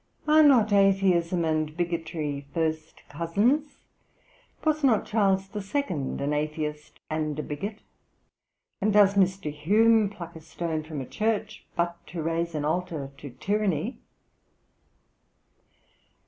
'Are not atheism and bigotry first cousins? Was not Charles II. an atheist and a bigot? and does Mr. Hume pluck a stone from a church but to raise an altar to tyranny?'